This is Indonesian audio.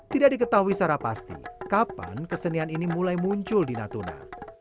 tidak diketahui secara pasti kapan kesenian ini mulai muncul di natuna